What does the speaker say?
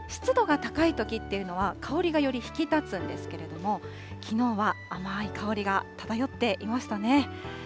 湿度が高いときっていうのは、香りがより引き立つんですけれども、きのうは甘い香りが漂っていましたね。